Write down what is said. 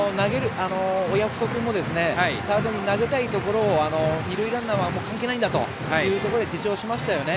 親富祖君もサードに投げたいところを二塁ランナーは関係ないんだというところで自重しましたよね。